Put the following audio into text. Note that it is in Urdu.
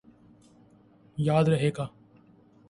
یاد رہے کہ